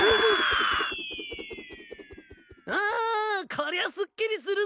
こりゃすっきりするぜ。